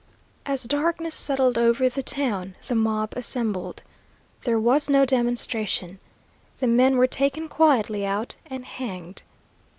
"As darkness settled over the town, the mob assembled. There was no demonstration. The men were taken quietly out and hanged.